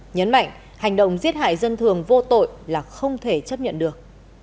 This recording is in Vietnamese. nhấn mạnh hành động giết hại dân thường vô tội là không thể chấp nhận được